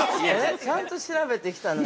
ちゃんと調べてきたのに。